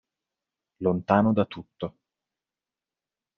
Lontano da tutto